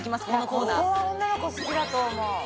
ここは女の子好きだと思う